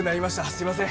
すいません。